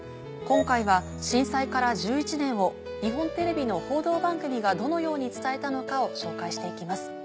今回は震災から１１年を日本テレビの報道番組がどのように伝えたのかを紹介して行きます。